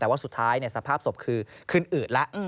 แต่ว่าสุดท้ายสภาพศพคือขึ้นอืดแล้ว